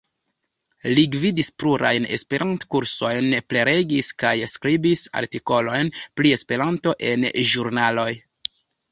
Li gvidis plurajn Esperanto-kursojn, prelegis kaj skribis artikolojn pri Esperanto en ĵurnaloj.